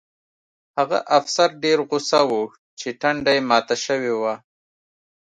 هغه افسر ډېر غوسه و چې ټنډه یې ماته شوې وه